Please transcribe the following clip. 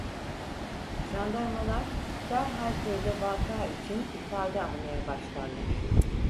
Jandarmalar derhal köyde vaka için ifade almaya başlarlar.